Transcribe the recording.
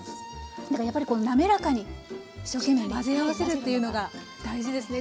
だからやっぱり滑らかに一生懸命混ぜ合わせるというのが大事ですね。